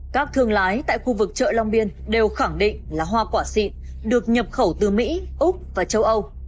các thương lái tại khu vực chợ long biên đều khẳng định là hoa quả xịn được nhập khẩu từ mỹ úc và châu âu